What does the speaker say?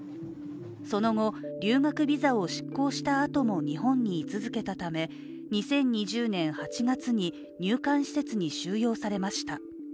その後、留学ビザを失効したあとも日本に居続けたため、２０２０年８月に入管施設に収容されました。